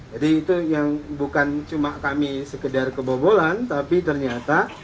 jadi itu yang bukan cuma kami sekedar kebobolan tapi ternyata